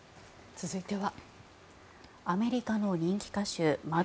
続いては。